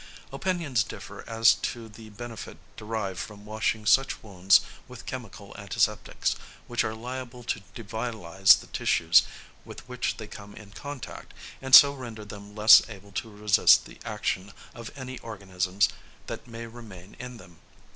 Opinions differ as to the benefit derived from washing such wounds with chemical antiseptics, which are liable to devitalise the tissues with which they come in contact, and so render them less able to resist the action of any organisms that may remain in them.